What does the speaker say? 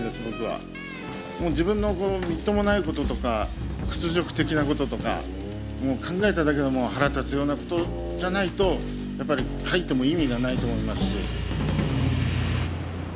もう自分のこのみっともないこととか屈辱的なこととかもう考えただけで腹立つようなことじゃないとやっぱり書いても意味がないと思いますし。